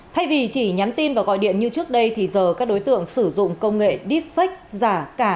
thay vì chỉ nhắn tin và gọi điện như trước đây thì giờ các đối tượng sử dụng công nghệ deepfake giả cả